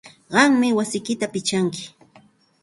Qammi wasiyki pichanki.